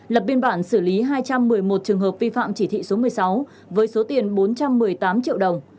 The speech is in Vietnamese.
lập biên bản xử lý hai trăm một mươi một trường hợp vi phạm chỉ thị số một mươi sáu với số tiền bốn trăm một mươi tám triệu đồng